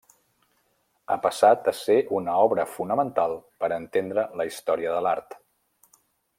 Ha passat a ser una obra fonamental per a entendre la història de l'art.